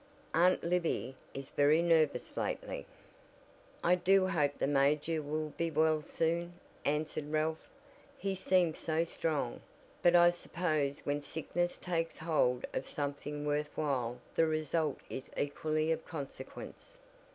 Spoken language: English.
Aunt Libby is very nervous lately." "I do hope the major will be well soon," answered Ralph. "He seemed so strong, but I suppose when sickness takes hold of something worth while the result is equally of consequence."